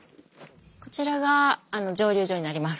こちらがあの蒸留所になります。